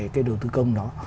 cái đầu tư tư nhân